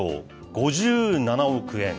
５７億円。